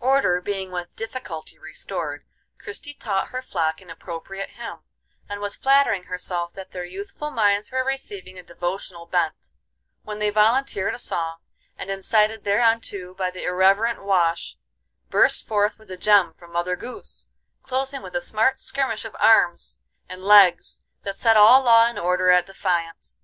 Order being with difficulty restored, Christie taught her flock an appropriate hymn, and was flattering herself that their youthful minds were receiving a devotional bent, when they volunteered a song, and incited thereunto by the irreverent Wash, burst forth with a gem from Mother Goose, closing with a smart skirmish of arms and legs that set all law and order at defiance.